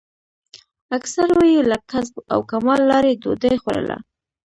اکثرو یې له کسب او کمال لارې ډوډۍ خوړله.